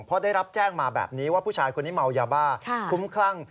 เพราะได้รับแจ้งมาแบบนี้ว่าผู้ชายคนนี้เมายาบ้าคุ้มคลั่ง